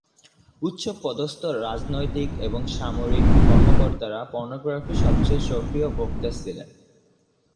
উচ্চ পদস্থ রাজনৈতিক এবং সামরিক কর্মকর্তারা পর্নোগ্রাফির সবচেয়ে সক্রিয় ভোক্তা ছিলেন।